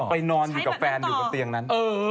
นอนอยู่กับแฟนอยู่บนเตียงนั้น